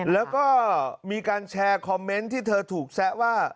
แล้วก็มีการแชร์คอมเมนต์ที่เธอถูกแซะว่า